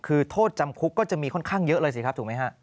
คือโทษจำคุกก็จะมีค่อนข้างเยอะเลยสิครับถูกไหมฮะ